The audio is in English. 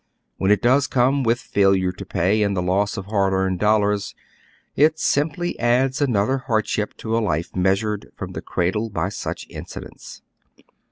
When it does come, with failnre to pay and the loss of hard earned dollars, it simply adds another hardship to a life measured from the cradle by such incidents.